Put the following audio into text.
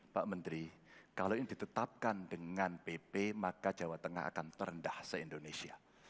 pak menteri kalau ini ditetapkan dengan pp maka jawa tengah akan terendah se indonesia